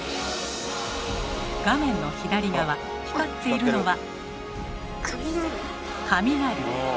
画面の左側光っているのは雷。